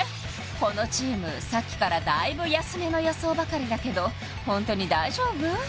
このチームさっきからだいぶ安めの予想ばかりだけどホントに大丈夫？